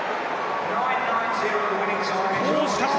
どうしたか。